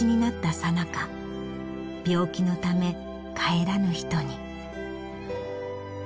さなか病気のため帰らぬ人に。